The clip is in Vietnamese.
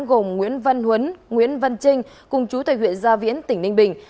gồm nguyễn văn huấn nguyễn văn trinh cùng chú thầy huyện gia viễn tỉnh ninh bình